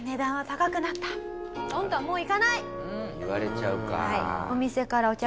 言われちゃうか。